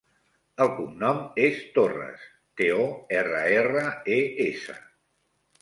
El cognom és Torres: te, o, erra, erra, e, essa.